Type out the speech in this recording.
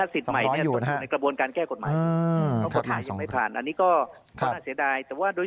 ๒๕๐ศิษย์หมายอุดกับกระบวนการแก้กฎหมาย